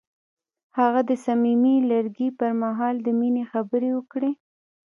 هغه د صمیمي لرګی پر مهال د مینې خبرې وکړې.